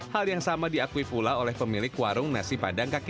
hal yang sama diakui pula oleh pemilik warung nasi padang kakek